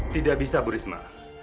tidak bisa bu risma